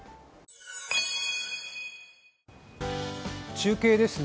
中継ですね。